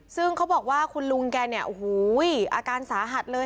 ซึ่งเขาบอกว่าคุณลุงแกเนี่ยโอ้โหอาการสาหัสเลย